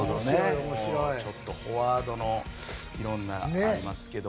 ちょっとフォワードのいろんなものがありますが。